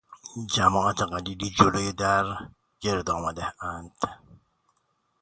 جماعت قلیلی جلو در گردآمدهاند.